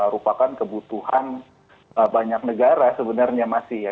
rupakan kebutuhan banyak negara sebenarnya masih ya